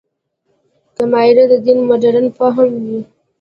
که معیار د دین مډرن فهم وي.